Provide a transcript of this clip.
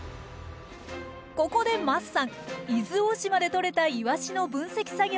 ここで桝さん伊豆大島でとれたイワシの分析作業をお手伝い。